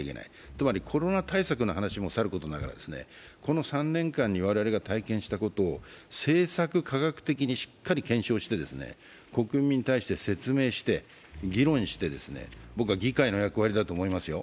つまりコロナ対策の話もさることながら、この３年間に我々が体験したことを政策科学的にしっかり検証して、国民に対して説明して、議論して、僕は議会の役割だと思いますよ。